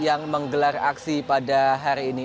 yang menggelar aksi pada hari ini